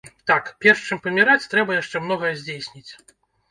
Так, перш чым паміраць, трэба яшчэ многае здзейсніць.